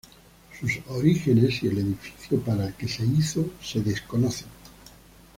Sus orígenes y el edificio para el que se hizo se desconocen.